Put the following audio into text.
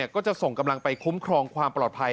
ก็จะส่งกำลังไปคุ้มครองความปลอดภัย